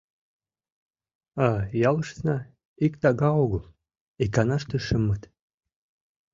А ялыштына ик тага огыл — иканаште шымыт.